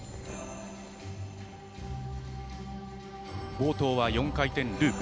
冒頭は４回転ループ。